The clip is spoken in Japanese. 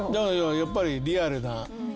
やっぱりリアルなねっ。